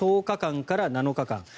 １０日間から７日間。